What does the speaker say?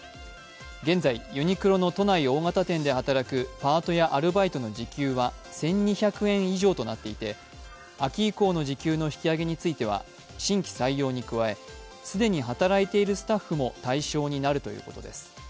現在、ユニクロの都内大型店で働くパートやアルバイトの時給は１２００円以上となっていて秋以降の時給の引き上げについては新規採用に加え、既に働いているスタッフも対象になるということです。